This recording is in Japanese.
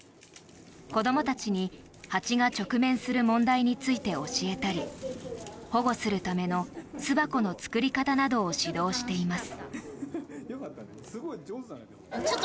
子どもたちに蜂が直面する問題について教えたり保護するための巣箱の作り方などを指導しています。